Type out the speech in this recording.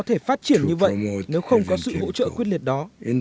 sẽ làm như vậy nếu không có sự hỗ trợ quyết liệt đó